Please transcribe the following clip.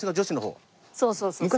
そうそうそうそう。